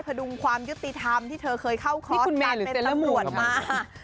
ดุงความยุติธรรมที่เธอเคยเข้าคลอดการเป็นตำรวจมา